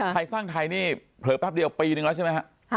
ไทยสร้างไทยนี่เผลอแป๊บเดียวปีนึงแล้วใช่ไหมฮะ